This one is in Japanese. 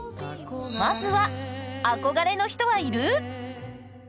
まずは「憧れの人はいる？」。